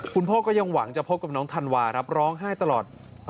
พ่อก็ยังหวังจะพบกับน้องธันวาครับร้องไห้ตลอด